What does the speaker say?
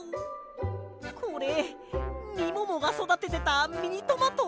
これみももがそだててたミニトマト？